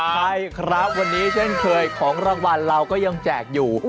ใช่ครับวันนี้เช่นเคยของรางวัลเราก็ยังแจกอยู่